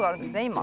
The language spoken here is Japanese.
今。